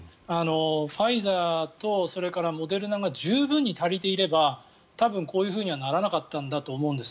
ファイザーとモデルナが十分に足りていれば多分こういうふうにはならなかったんだと思います。